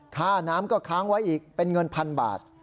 ค่าน้ำก็ค้างไว้อีกเป็นเงินพันบาท